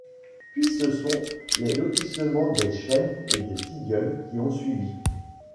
Puis ce sont les lotissements des Chênes et des Tilleuls qui ont suivi.